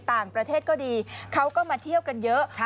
ต่างประเทศก็ดีเขาก็มาเที่ยวกันเยอะ